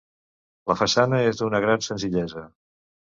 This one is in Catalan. La façana és d'una gran senzillesa.